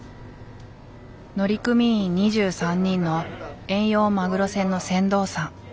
乗組員２３人の遠洋マグロ船の船頭さん。